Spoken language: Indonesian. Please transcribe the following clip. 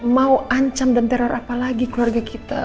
mau ancam dan teror apa lagi keluarga kita